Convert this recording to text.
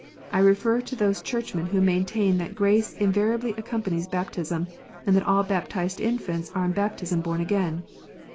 I refer to those Churchmen who maintain that grace in variably accompanies baptism, and that all baptized infants are in baptism born again.